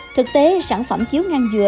thực tế sản phẩm chiếu ngang dừa